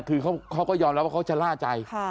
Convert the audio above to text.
คือเขาก็ยอมรับว่าเขาจะล่าใจ